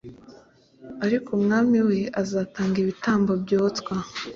Ariko umwami we azatanga ibitambo byoswa